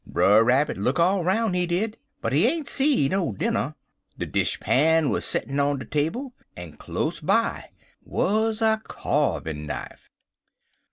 Brer Rabbit look all roun', he did, but he ain't see no dinner. De dish pan wuz settin' on de table, en close by wuz a kyarvin' knife.